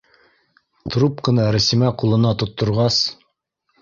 Трубканы Рәсимә ҡулына тотторғас: